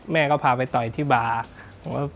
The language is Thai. แม่ก็พาไปต่อยที่บาร์